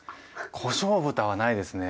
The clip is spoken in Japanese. こしょう豚はないですね。